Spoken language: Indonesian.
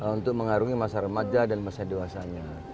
untuk mengarungi masa remaja dan masa dewasanya